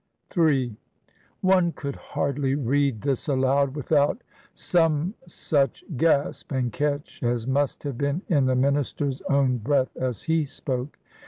'" in One could hardly read this aloud without some such gasp and catch as must have been in the minister's own breath as he spoke.